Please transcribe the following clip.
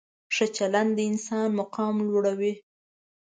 ښه چلند د انسان مقام لوړوي.